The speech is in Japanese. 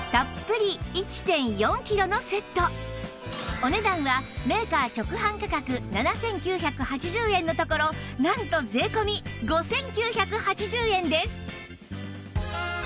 お値段はメーカー直販価格７９８０円のところなんと税込５９８０円です